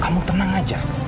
kamu tenang saja